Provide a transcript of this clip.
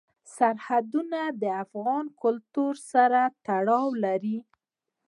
سرحدونه د افغان کلتور سره تړاو لري.